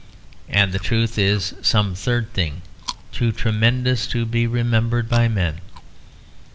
And the truth is some third thing, too tremendous to be remembered by men.